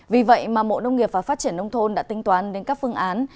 vì vậy mộ nông nghiệp và phát triển nông thôn đã tinh toán đến các phương án